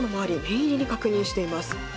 念入りに確認しています。